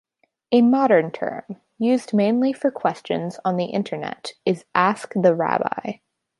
A modern term, used mainly for questions on the internet is Ask the rabbi.